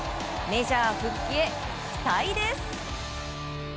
メジャー復帰へ期待です。